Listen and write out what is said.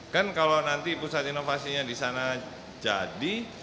kan kalau nanti pusat inovasinya di sana jadi